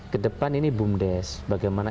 kedepan ini boomdesk bagaimana